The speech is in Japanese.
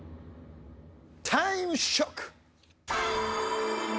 タイムショック！